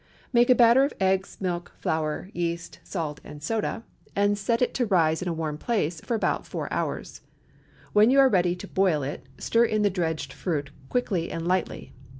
Make a batter of eggs, milk, flour, yeast, salt, and soda, and set it to rise in a warm place about four hours. When you are ready to boil it, stir in the dredged fruit quickly and lightly.